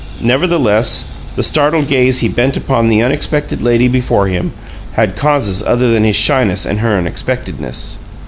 Nevertheless, the startled gaze he bent upon the unexpected lady before him had causes other than his shyness and her unexpectedness.